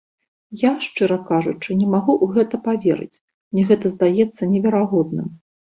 Я, шчыра кажучы, не магу ў гэта паверыць, мне гэта здаецца неверагодным.